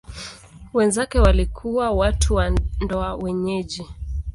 Wenzake walikuwa watu wa ndoa wenyeji.